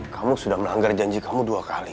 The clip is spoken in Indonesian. kamu sudah melanggar janji kamu dua kali